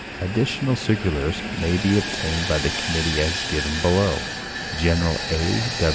Additional cir culars may be obtained of the committee as given below. General A.